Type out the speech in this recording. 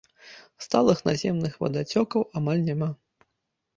Сталых наземных вадацёкаў амаль няма.